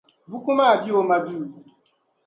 Buku maa be o ma duu.